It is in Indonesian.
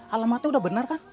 alamatnya udah bener kan